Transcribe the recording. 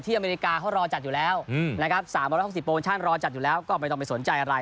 อเมริกาเขารอจัดอยู่แล้วนะครับ๓๖๐โปรโมชั่นรอจัดอยู่แล้วก็ไม่ต้องไปสนใจอะไร